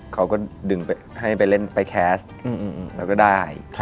เขาก็ดึงให้ไปแคสโฆษณาแล้วก็ได้